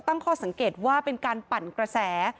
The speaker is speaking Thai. ตั้งข้อสังเกตว่าเป็นการปั่นกระแส